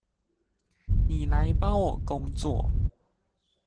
妳來幫我工作